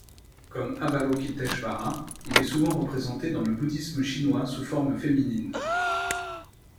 Comme Avalokiteśvara, il est souvent représenté dans le bouddhisme chinois sous forme féminine.